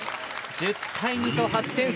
１０対２と８点差。